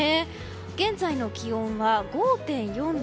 現在の気温は５．４度。